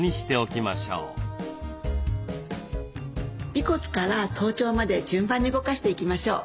尾骨から頭頂まで順番に動かしていきましょう。